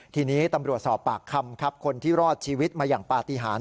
ทีนี้ตำรวจสอบปากคำครับคนที่รอดชีวิตมาอย่างปฏิหาร